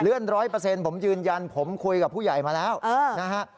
ร้อยเปอร์เซ็นต์ผมยืนยันผมคุยกับผู้ใหญ่มาแล้วนะฮะ